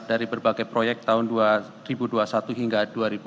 dari berbagai proyek tahun dua ribu dua puluh satu hingga dua ribu dua puluh